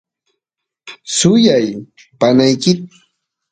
suyay panaykit